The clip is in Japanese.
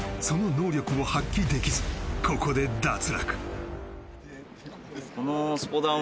その能力を発揮できずここで脱落